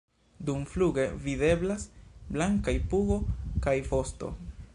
Dumfluge videblas blankaj pugo kaj vosto.